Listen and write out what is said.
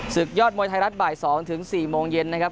ศึกยอดมวยไทยรัฐบ่าย๒ถึง๔โมงเย็นนะครับ